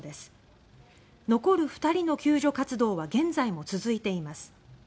残る２人の救出活動は現在も続いています。